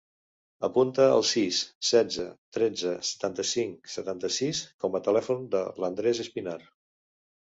Apunta el sis, setze, tretze, setanta-cinc, setanta-sis com a telèfon de l'Andrés Espinar.